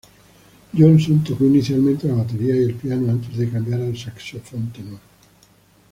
Johnson tocó inicialmente la batería y el piano antes de cambiar al saxofón tenor.